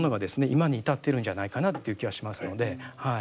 今に至ってるんじゃないかなっていう気はしますのでは